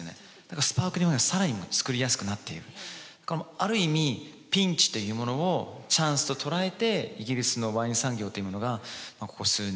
ある意味ピンチというものをチャンスと捉えてイギリスのワイン産業というものがここ数年